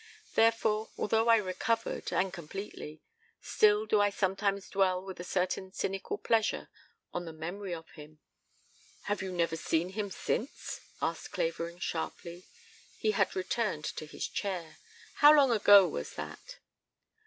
Therefore, although I recovered, and completely, still do I sometimes dwell with a certain cynical pleasure on the memory of him " "Have you never seen him since?" asked Clavering sharply. He had returned to his chair. "How long ago was that?"